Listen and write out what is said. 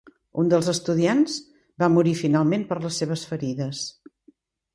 Un dels estudiants va morir finalment per les seves ferides.